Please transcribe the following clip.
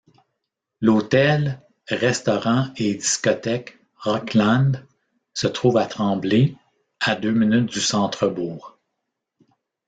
L'hôtel, restaurant et discothèque Roc'Land se trouve à Tremblay, à deux minutes du centre-bourg.